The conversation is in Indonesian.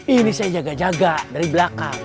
ini saya jaga jaga dari belakang